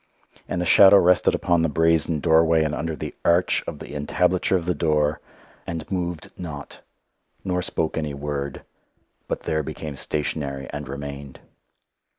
And the shadow rested upon the brazen doorway, and under the arch of the entablature of the door and moved not, nor spoke any word, but there became stationary and remained.